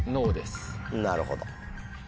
なるほど。